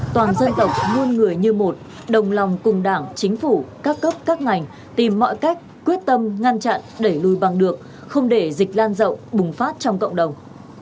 toàn dân tộc muôn người như một đồng lòng cùng đảng chính phủ các cấp các ngành tìm mọi cách quyết tâm ngăn chặn đẩy lùi bằng được không để dịch lan rộng bùng phát trong cộng đồng